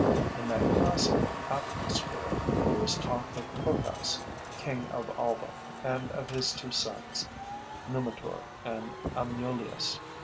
In that classical atmosphere, there was talk of Procas, King of Alba, and of his two sons, Numitor and Amulius.